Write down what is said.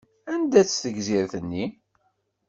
Anda-tt tegzirt-nni?